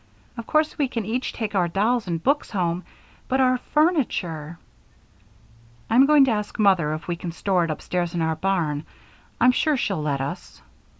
"Of course we can each take our dolls and books home, but our furniture " "I'm going to ask Mother if we can't store it upstairs in our barn. I'm sure she'll let us."